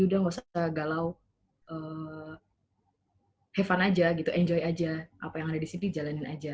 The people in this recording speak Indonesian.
udah nggak usah galau eh hai heaven aja gitu enjoy aja apa yang ada di sini jalanin aja